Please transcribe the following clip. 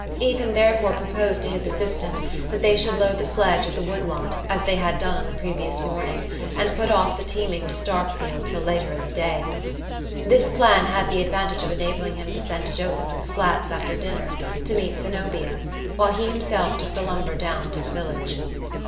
Ethan therefore proposed to his assistant that they should load the sledge at the wood lot, as they had done on the previous morning, and put off the "teaming" to Starkfield till later in the day. This plan had the advantage of enabling him to send Jotham to the Flats after dinner to meet Zenobia, while he himself took the lumber down to the village.